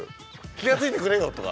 気が付いてくれよとか。